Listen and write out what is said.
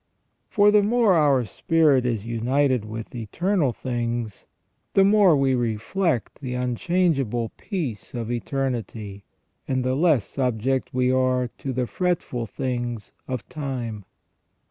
For the more our spirit is united with eternal things, the more we reflect the unchangeable peace of eternity, and the less subject we are to the fretful things of time.